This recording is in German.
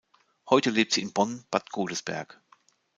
Heute lebt sie in Bonn-Bad Godesberg.